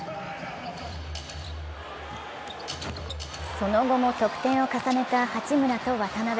その後も得点を重ねた八村と渡邊。